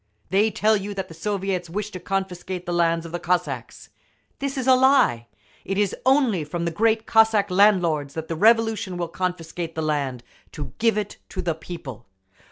They tell you that the Soviets wish to confiscate the lands of the Cossacks. This is a lie. It is only from the great Cossack landlords that the Revolution will confiscate the land to give it to the people.